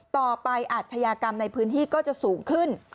ต่อไปอาชญากรรมในพื้นที่ก็จะสูงขึ้น